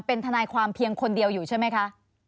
เป็นทนายความเพียงคนเดียวอยู่ใช่ไหมคะ